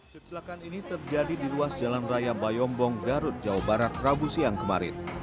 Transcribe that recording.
kecelakaan ini terjadi di ruas jalan raya bayombong garut jawa barat rabu siang kemarin